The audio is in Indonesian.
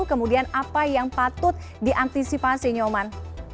kemudian apa yang patut diantisipasi nyoman